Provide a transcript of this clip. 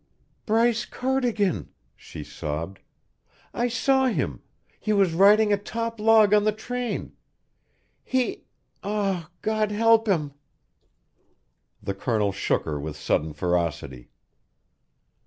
"Bryce Cardigan," she sobbed. "I saw him he was riding a top log on the train. He ah, God help him!" The Colonel shook her with sudden ferocity.